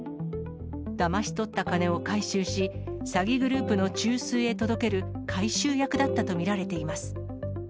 だまし取った金を回収し、詐欺グループの中枢へ届ける回収役だったと見られています。